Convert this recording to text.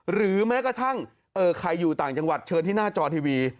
หรือแม้กระทั่งใครอยู่ต่างจังหวัดเชิญที่หน้าจอทีวี